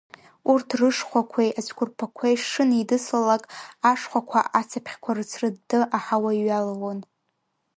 Урҭ рышхәақәеи ацәқәырԥақәеи шынеидыслалак, ашхәақәа ацыԥхьқәа рыцрыдды, аҳауа иҩалалон.